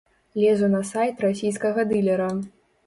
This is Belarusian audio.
Лезу на сайт расійскага дылера.